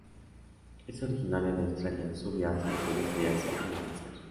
Es originaria de Australia, sur de Asia, sudeste de Asia y Madagascar.